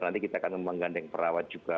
nanti kita akan menggandeng perawat juga